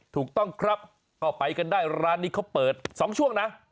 ถูกต้องครับก็ไปกันได้ร้านนี้เขาเปิด๒ช่วงนะ